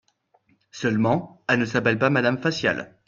Seulement elle ne s'appelle pas Madame Facial.